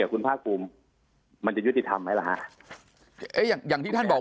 ตัวคุณพ้าคลุมมันจะยุติธรรมไม๊ล่ะแล้วห้าเหย่ยอย่างที่ท่านบอก